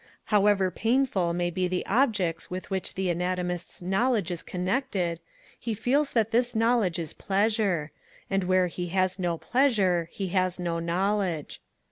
However painful may be the objects with which the Anatomist's knowledge is connected, he feels that his knowledge is pleasure; and where he has no pleasure he has no knowledge.